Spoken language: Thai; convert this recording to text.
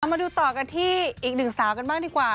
มาดูต่อกันที่อีกหนึ่งสาวกันบ้างดีกว่า